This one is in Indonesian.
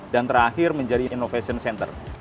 dan terakhir menjadi innovation center